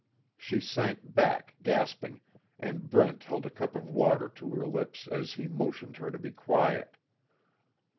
She sank back gasping, and Brent held a cup of water to her lips as he motioned her to be quiet.